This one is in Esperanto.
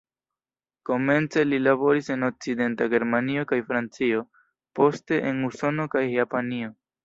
Komence li laboris en Okcidenta Germanio kaj Francio, poste en Usono kaj Japanio.